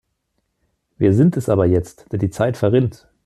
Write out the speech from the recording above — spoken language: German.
Wir sind es aber jetzt, denn die Zeit verrinnt.